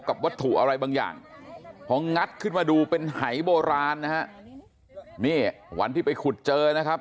วัตถุอะไรบางอย่างพองัดขึ้นมาดูเป็นหายโบราณนะฮะนี่วันที่ไปขุดเจอนะครับ